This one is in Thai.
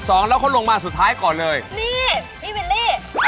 สองแล้วเขาลงมาสุดท้ายก่อนเลยนี่พี่วิลลี่